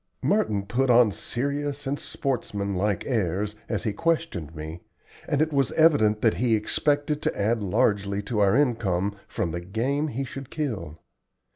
Merton put on serious and sportsman like airs as he questioned me, and it was evident that he expected to add largely to our income from the game he should kill.